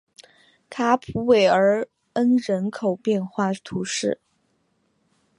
卡普韦尔恩人口变化图示